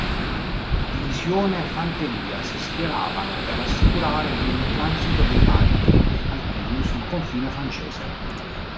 Divisione fanteria si schieravano per assicurare il transito dei valichi alpini sul confine francese.